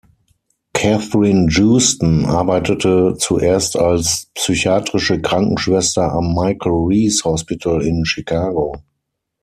Kathryn Joosten arbeitete zuerst als psychiatrische Krankenschwester am "Michael Reese Hospital" in Chicago.